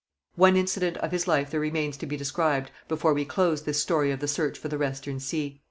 One incident of his life there remains to be described before we close this story of the search for the Western Sea.